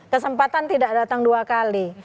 kesempatan tidak datang dua kali